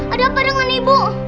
ada apa dengan ibu